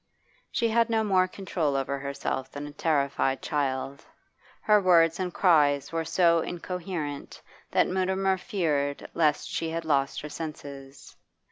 She had no more control over herself than a terrified child; her words and cries were so incoherent that Mutimer feared lest she had lost her senses.